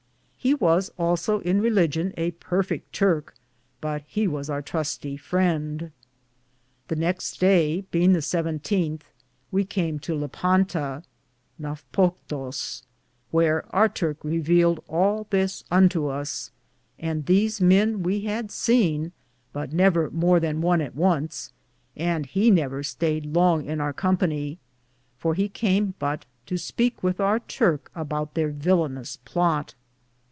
He was also in religon a perfit Turke, but he was our trustie frende. The nexte daye, beinge the 17th, we came to Lippanta,^ wheare our Turke revealed all this unto us, and these men we had sene, but never more than one at once, and he never stayed longe in our companye, for he came but to speake with our Turke aboute their vilanus plott.